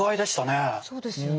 そうですね。